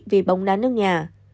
về bóng đá nước nhà